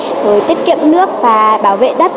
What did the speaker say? rồi tiết kiệm nước và bảo vệ đất